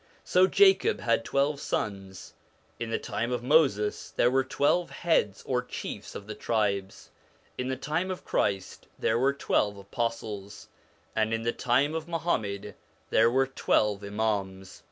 So Jacob had twelve sons ; in the time of Moses there were twelve heads or chiefs of the tribes ; in the time of Christ there were twelve Apostles ; and in the time of Muhammad there were twelve Imams.